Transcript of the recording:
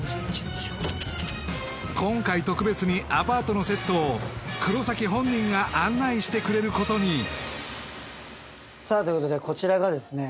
今回特別にアパートのセットを黒崎本人が案内してくれることにということでこちらがですね